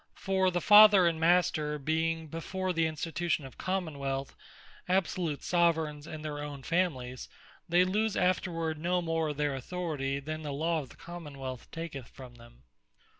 For the Father, and Master being before the Institution of Common wealth, absolute Soveraigns in their own Families, they lose afterward no more of their Authority, than the Law of the Common wealth taketh from them.